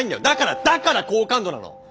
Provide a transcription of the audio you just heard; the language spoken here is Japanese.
だからだから好感度なの！